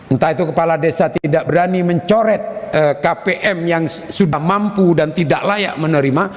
entah itu kepala desa tidak berani mencoret kpm yang sudah mampu dan tidak layak menerima